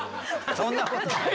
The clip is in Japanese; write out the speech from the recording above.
そんなことない。